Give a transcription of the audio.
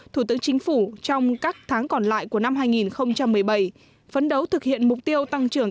thủ tướng chính phủ trong các tháng còn lại của năm hai nghìn một mươi bảy phấn đấu thực hiện mục tiêu tăng trưởng